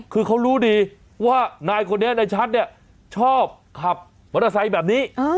คือเขารู้ดีว่านายคนนี้นายชัดเนี่ยชอบขับมอเตอร์ไซค์แบบนี้